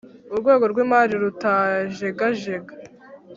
urwego rw imari rutajegajega